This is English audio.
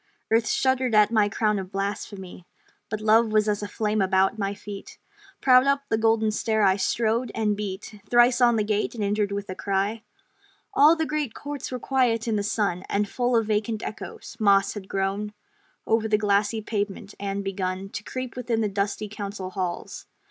Earth shuddered at my crown of blasphemy, But Love was as a flame about my feet; Proud up the Golden Stair I strode; and beat Thrice on the Gate, and entered with a cry All the great courts were quiet in the sun, And full of vacant echoes: moss had grown Over the glassy pavement, and begun To creep within the dusty council halls.